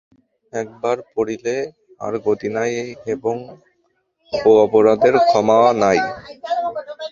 একবার পড়িলে আর গতি নাই এবং ও অপরাধের ক্ষমা নাই।